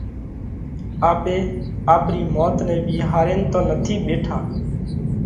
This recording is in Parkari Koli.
آپي آپرِي موت نئہ وِيهارينَ تو نٿِي ٻيٺا؟